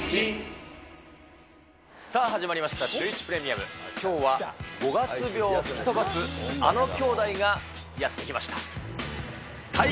さあ始まりました、シューイチプレミアム、きょうは五月病を吹き飛ばすあの兄弟がやって来ました。